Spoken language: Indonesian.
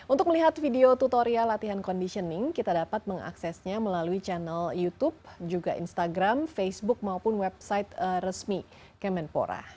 untuk melihat video tutorial latihan conditioning kita dapat mengaksesnya melalui channel youtube juga instagram facebook maupun website resmi kemenpora